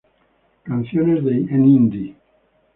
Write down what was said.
Canciones en Hindi.